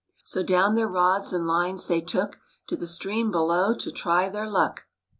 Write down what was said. jr / So down their rods and lines they took ^/ To the stream below to try their luck.